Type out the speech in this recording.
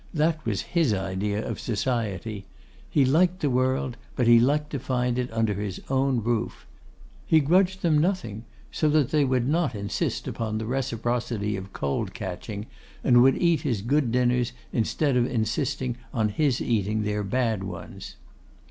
That was his idea of society. He liked the world, but he liked to find it under his own roof. He grudged them nothing, so that they would not insist upon the reciprocity of cold catching, and would eat his good dinners instead of insisting on his eating their bad ones.